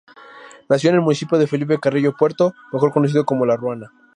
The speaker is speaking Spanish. Nació en el municipio de Felipe Carrillo Puerto, mejor conocido como La Ruana.